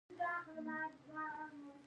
احمدشاه ابدالي د نورو حملو لپاره کوښښونه وکړل.